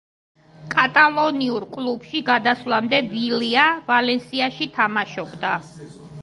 კატალონიურ კლუბში გადასვლამდე, ვილია „ვალენსიაში“ თამაშობდა.